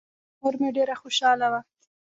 مور مې ډېره خوشحاله وه.